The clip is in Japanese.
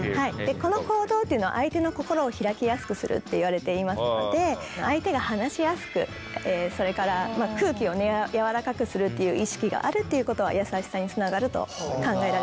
この行動っていうのは相手の心を開きやすくするっていわれていますので相手が話しやすくそれから空気をやわらかくするっていう意識があるっていうことは優しさにつながると考えられます。